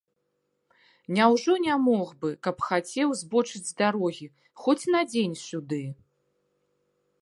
Няўжо не мог бы, каб хацеў, збочыць з дарогі, хоць на дзень сюды?